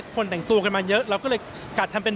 แต่งตัวกันมาเยอะเราก็เลยกัดทำเป็น